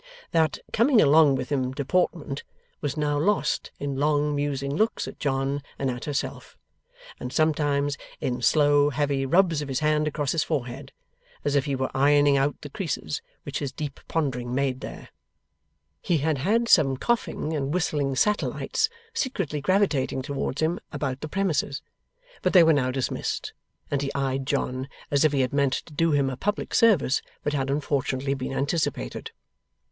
That coming along with him deportment was now lost in long musing looks at John and at herself and sometimes in slow heavy rubs of his hand across his forehead, as if he were ironing cut the creases which his deep pondering made there. He had had some coughing and whistling satellites secretly gravitating towards him about the premises, but they were now dismissed, and he eyed John as if he had meant to do him a public service, but had unfortunately been anticipated.